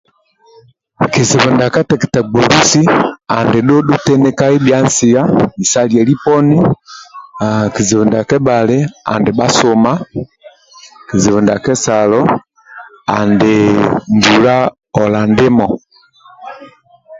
Kizibu ndiabkateke gbolusi andi dhudhu tinikai bhia nsia kizibu ndia kebhali andi bhasuma kizibu ndia kebhali andi mbula ola ndimo